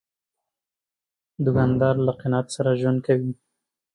دوکاندار له قناعت سره ژوند کوي.